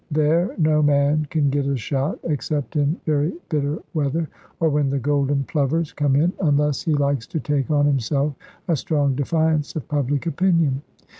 There no man can get a shot, except in very bitter weather, or when the golden plovers come in, unless he likes to take on himself a strong defiance of public opinion.